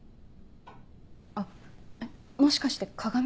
あっもしかして鏡？